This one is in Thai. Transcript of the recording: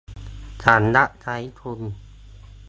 ฉันรับใช้คุณ